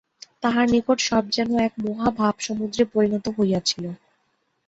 তাঁহার নিকট সব যেন এক মহা ভাবসমুদ্রে পরিণত হইয়াছিল।